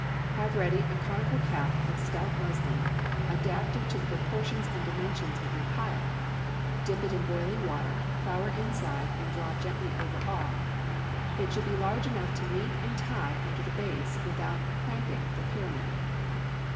Have ready a conical cap of stout muslin adapted to the proportions and dimensions of your pile; dip it in boiling water, flour inside, and draw gently over all. It should be large enough to meet and tie under the base without cramping the pyramid.